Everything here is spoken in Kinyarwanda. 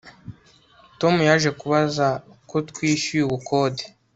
tom yaje kubaza ko twishyuye ubukode